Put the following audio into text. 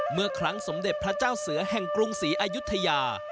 เมื่อครั้งสมเด็จพระเจ้าเสือแห่งกรุงศรีอายุทยา